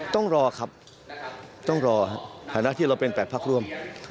ต้องรอครับต้องรอฐานะที่เราเป็น๘พักร่วม